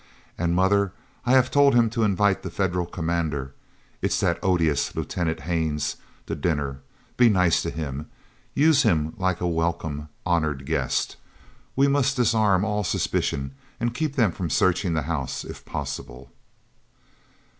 And, mother, I have told him to invite the Federal commander—it's that odious Lieutenant Haines—to dinner. Be nice to him. Use him like a welcome, honored guest. We must disarm all suspicion, and keep them from searching the house, if possible."